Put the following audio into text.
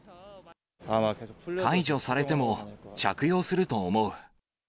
解除されても着用すると思う。